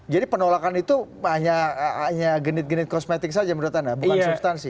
jadi penolakan itu hanya genit genit kosmetik saja menurut anda bukan substansi